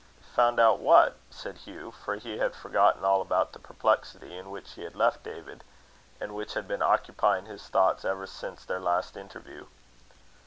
"Found out what?" said Hugh; for he had forgotten all about the perplexity in which he had left David, and which had been occupying his thoughts ever since their last interview.